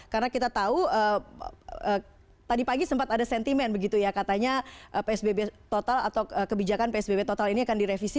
karena kita tahu tadi pagi sempat ada sentimen begitu ya katanya psbb total atau kebijakan psbb total ini akan direvisi